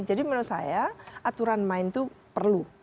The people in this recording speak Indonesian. jadi menurut saya aturan main itu perlu